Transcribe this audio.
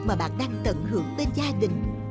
mà bạn đang tận hưởng bên gia đình